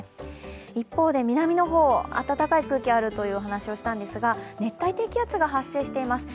一方で南の方、暖かい空気があるという話をしたんですが熱帯低気圧が発生しています。